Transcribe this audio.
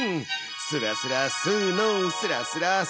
すらすらすのすらすらす！